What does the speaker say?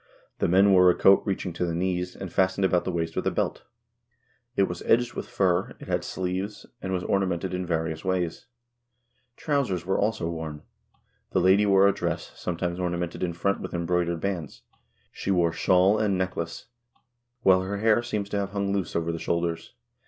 The men wore a coat reaching to the knees, and fastened about the waist with a belt. It was edged vol. i — D 34 HISTORY OF THE NORWEGIAN PEOPLE with fur, it had sleeves, and was ornamented in various ways. Trou sers were also worn. The lady wore a dress, sometimes ornamented in front with embroidered bands. She wore shawl and necklace, while her hair seems to have hung loose over the shoulders.